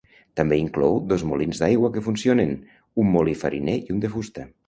També inclou dos molins d'aigua que funcionen: un molí fariner i un de fusta.